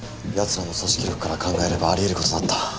やつらの組織力から考えればあり得ることだった。